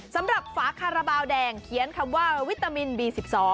สำหรับฝาคาราบาลแดงเขียนคำว่าวิตามินบี๑๒